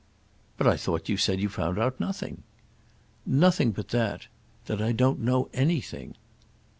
"But I thought you said you found out nothing." "Nothing but that—that I don't know anything."